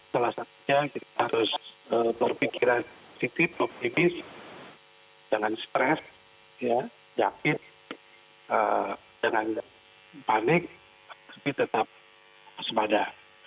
salah satunya kita harus berpikiran citip optimis jangan stres ya jahit jangan panik tetap sepada